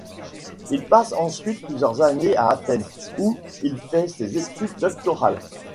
Il passe ensuite plusieurs années à Athènes où il fait ses études doctorales.